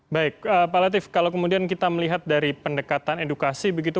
baik pak latif kalau kemudian kita melihat dari pendekatan edukasi begitu